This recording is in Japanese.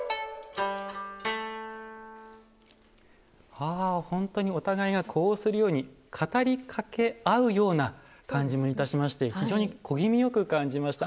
はあ本当にお互いが呼応するように語り掛け合うような感じもいたしまして非常に小気味よく感じました。